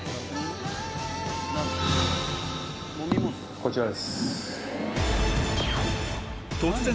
こちらです。